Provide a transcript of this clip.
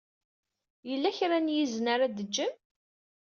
Yella kra n yizen ara d-teǧǧem?